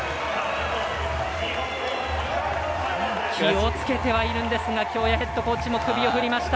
気をつけてはいるんですが京谷ヘッドコーチも首を振りました。